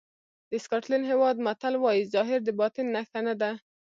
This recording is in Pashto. د سکاټلېنډ هېواد متل وایي ظاهر د باطن نښه نه ده.